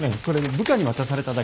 部下に渡されただけ。